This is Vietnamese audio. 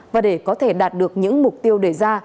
và để có thể đạt được những mục tiêu đề ra